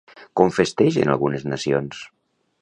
Com festegen algunes nacions?